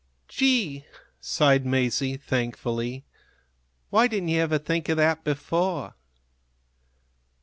"Gee!" sighed Masie, thankfully. "Why didn't you ever think of that before?"